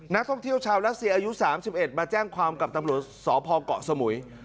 นักท่องเที่ยวชาวรัสเซียอายุ๓๑มาแจ้งความกับตำรวจสพเกาะสมุย